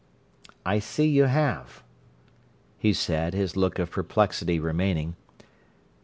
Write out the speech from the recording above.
"I see you have," he said, his look of perplexity remaining.